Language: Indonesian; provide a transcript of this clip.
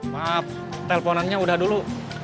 maaf telponannya udah dulu